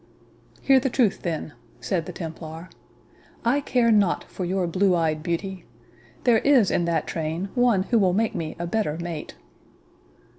"Hear the truth, then," said the Templar; "I care not for your blue eyed beauty. There is in that train one who will make me a better mate."